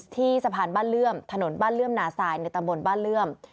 สะพานบ้านเลื่อมถนนบ้านเลื่อมนาซายในตำบลบ้านเลื่อม